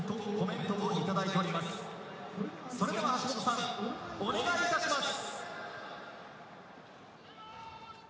それでは橋本さん、お願いいたします。